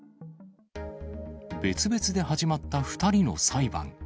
別々で始まった２人の裁判。